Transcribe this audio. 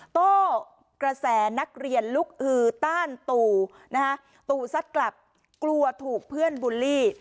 โต้กระแสนักเรียนลุกอือต้านตู่นะคะตู่ซัดกลับกลัวถูกเพื่อนบูลลี่